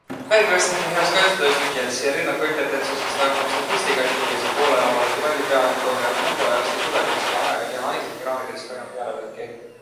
Märgi West Hami heast kaitsetööst ja Chelsea rünnaku impotentsusest annab statistika, et kuigi teisel poolajal vallati palli peaaegu kolmveerand mänguajast, ei suudetud selle ajaga teha ainsatki raamidesse läinud pealelööki.